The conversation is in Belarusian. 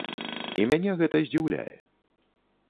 І мяне гэта здзіўляе.